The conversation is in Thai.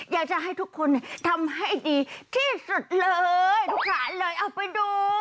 อยากจะให้ทุกคนทำให้ดีที่สุดเลยสงสารเลยเอาไปดู